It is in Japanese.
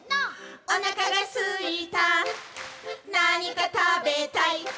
「おなかがすいたなにかたべたい」